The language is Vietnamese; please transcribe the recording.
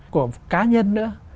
của cá nhân nữa